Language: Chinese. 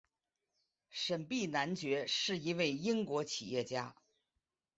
沈弼男爵是一位英国企业家。